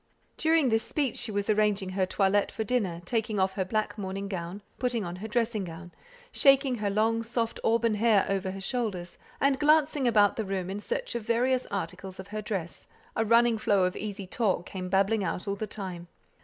During this speech she was arranging her toilette for dinner taking off her black morning gown; putting on her dressing gown; shaking her long soft auburn hair over her shoulders, and glancing about the room in search of various articles of her dress, a running flow of easy talk came babbling out all the time.